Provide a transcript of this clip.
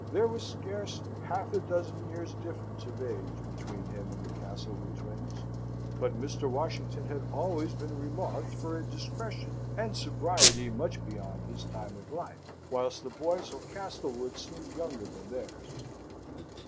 There was scarce half a dozen years' difference of age between him and the Castlewood twins; but Mr. Washington had always been remarked for a discretion and sobriety much beyond his time of life, whilst the boys of Castlewood seemed younger than theirs.